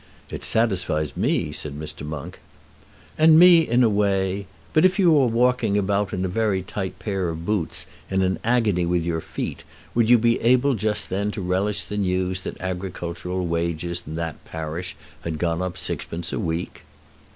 "It satisfies me," said Mr. Monk. "And me, in a way. But if you were walking about in a very tight pair of boots, in an agony with your feet, would you be able just then to relish the news that agricultural wages in that parish had gone up sixpence a week?"